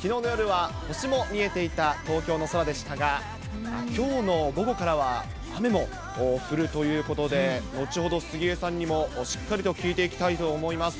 きのうの夜は星も見えていた東京の空でしたが、きょうの午後からは雨も降るということで、後ほど杉江さんにもしっかりと聞いていきたいと思います。